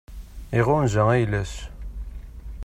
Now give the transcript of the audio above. Iɣunza ayla-s.